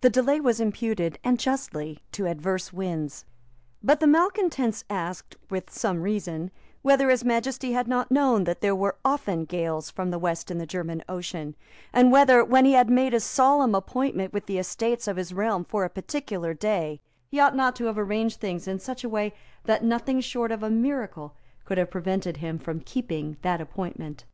The delay was imputed, and justly, to adverse winds. But the malecontents asked, with some reason, whether His Majesty had not known that there were often gales from the West in the German Ocean, and whether, when he had made a solemn appointment with the Estates of his Realm for a particular day, he ought not to have arranged things in such a way that nothing short of a miracle could have prevented him from keeping that appointment.